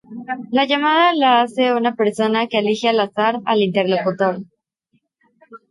La llamada la hace una persona que elije al azar al interlocutor.